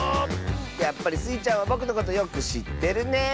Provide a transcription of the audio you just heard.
やっぱりスイちゃんはぼくのことよくしってるねえ。